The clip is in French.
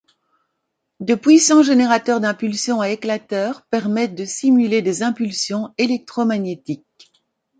De puissants générateurs d'impulsions à éclateur permettent de simuler des impulsions électromagnétiques.